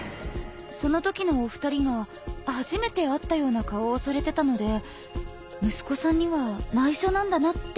その時のお二人が初めて会ったような顔をされてたので息子さんには内緒なんだなって思いました。